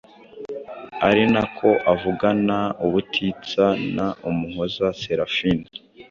ari nako avugana ubutitsa nâ Umuhoza Selafina.